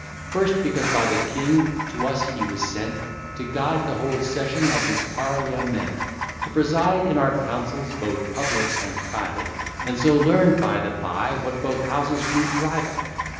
First, because by the King to us he was sent, To guide the whole session of this parliament. To preside in our councils, both public and private, And so learn, by the by, what both houses do drive at.